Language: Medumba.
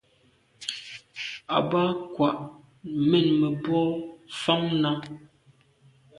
O ba kwa’ mènmebwô fan nà.